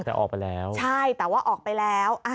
แต่ออกไปแล้วใช่แต่ว่าออกไปแล้ว